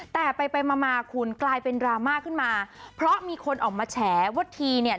แต่ไปไปมามาคุณกลายเป็นดราม่าขึ้นมาเพราะมีคนออกมาแฉว่าทีเนี่ย